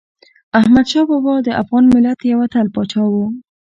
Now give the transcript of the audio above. احمدشاه بابا د افغان ملت یو اتل پاچا و.